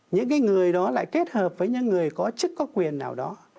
những người đó lại kết hợp với những người có chức có quyền nào đó